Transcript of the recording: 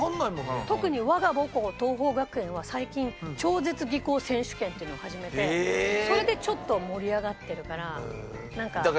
特に我が母校桐朋学園は最近超絶技巧選手権っていうのを始めてそれでちょっと盛り上がってるからなんか。